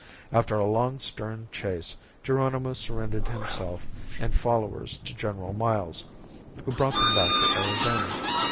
After a long, stern chase Geronimo surrendered himself and followers to General Miles, who brought them back to Arizona.